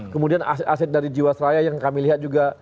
kemudian aset aset dari jiwasraya yang kami lihat juga